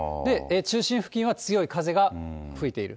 中心付近は強い風が吹いている。